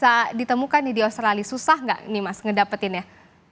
apakah makanan ini bisa ditemukan di australia susah nggak nih mas ngedapetinnya